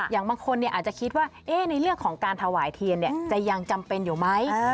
อย่างบางคนอาจจะคิดว่าในเรื่องของการถวายเทียนจะยังจำเป็นอยู่ไหม